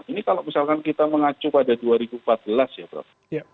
ini kalau misalkan kita mengacu pada dua ribu empat belas ya prof